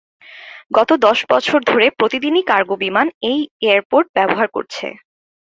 গত দশ বছর ধরে প্রতিদিনই কার্গো বিমান এই এয়ারপোর্ট ব্যবহার করছে।